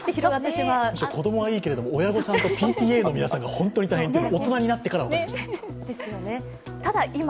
子供はいいけれども、親御さんとＰＴＡの皆さんが本当に大変って、大人になってから分かる。